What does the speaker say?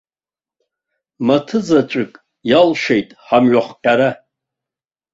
Маҭы заҵәык иалшеит ҳамҩахҟьара.